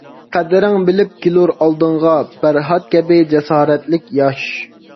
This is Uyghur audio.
قەدرىڭ بىلىپ كېلۇر ئالدىڭغا، پەرھات كەبى جاسارەتلىك ياش!